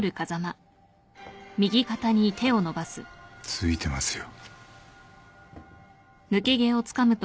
付いてますよ。